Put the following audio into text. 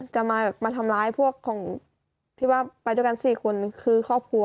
จะมาทำร้ายพวกของที่ว่าไปด้วยกัน๔คนคือครอบครัว